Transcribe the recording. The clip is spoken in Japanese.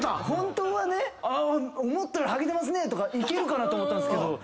本当はね思ったよりハゲてますねとかいけるかなと思ったんですけど。